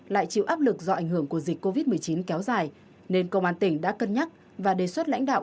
lại chịu áp lực do ảnh hưởng của dịch covid một mươi chín kéo dài nên công an tỉnh đã cân nhắc và đề xuất lãnh đạo